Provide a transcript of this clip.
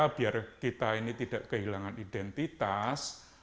agar kita tidak kehilangan identitas